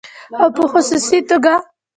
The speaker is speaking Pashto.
او په خصوصي توګه